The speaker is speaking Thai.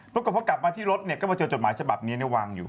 แล้วก็พอกลับมาที่รถเนี้ยก็เจอจดหมายฉบับเนี้ยเนี้ยวางอยู่